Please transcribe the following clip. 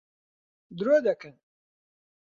درۆ دەکەن.